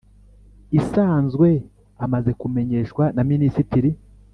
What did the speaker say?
Isanzwe amaze kumenyeshwa na minisitiri